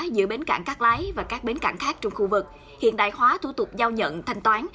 giữa bến cảng cắt lái và các bến cảng khác trong khu vực hiện đại hóa thủ tục giao nhận thanh toán